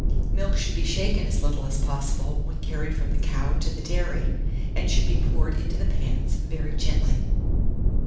Milk should be shaken as little as possible when carried from the cow to the dairy, and should be poured into the pans very gently.